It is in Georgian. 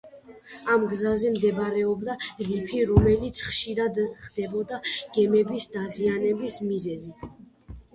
ამ გზაზე მდებარეობდა რიფი, რომელიც ხშირად ხდებოდა გემების დაზიანების მიზეზი.